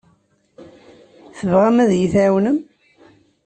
Tebɣam ad iyi-tɛiwnem?